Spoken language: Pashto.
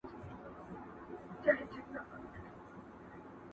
پر هر ځای چي به ملګري وه ښاغلي!.